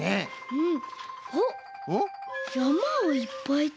うん！